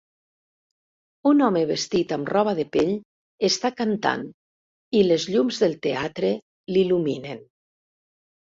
Un home vestit amb roba de pell està cantant i les llums del teatre l'il·luminen.